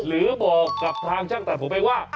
หรือบอกกับทางช่างตัดผมเองว่า